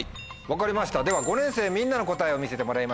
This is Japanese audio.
分かりましたでは５年生みんなの答えを見せてもらいましょう。